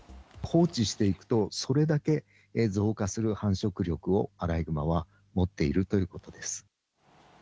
放置していくと、増加する繁殖力をアライグマは持っているということです。